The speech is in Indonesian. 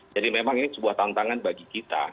jadi memang ini sebuah tantangan bagi kita